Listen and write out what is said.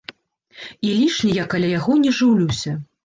І лішне я каля яго не жыўлюся.